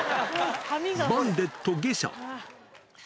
バンデット下車。